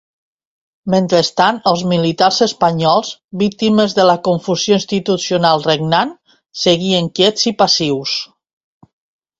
Mentrestant els militars espanyols, víctimes de la confusió institucional regnant, seguien quiets i passius.